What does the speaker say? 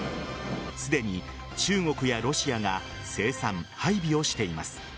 すでに、中国やロシアが生産・配備をしています。